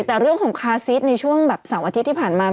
แต่เรื่องของคาซิสในช่วงแบบเสาร์อาทิตย์ที่ผ่านมา